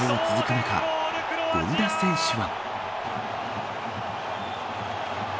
中権田選手は。